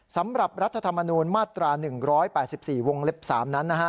สำหรับรัฐธรรมนุนมาตรา๑๘๔วงเล็บ๓นั้นนะฮะ